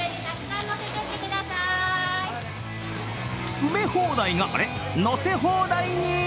詰め放題が、あれ、乗せ放題に！